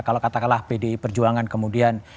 kalau katakanlah pdi perjuangan kemudian